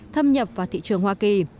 thâm nhập vào thị trường hoa kỳ